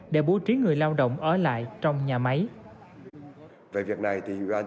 để bố trí người lao động ở lại trong nhà máy